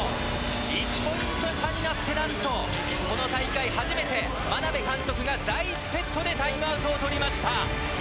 １ポイント差になって何と、この大会初めて眞鍋監督が第１セットでタイムアウトを取りました。